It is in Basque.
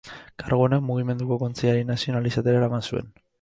Kargu honek Mugimenduko kontseilari nazional izatera eraman zuen.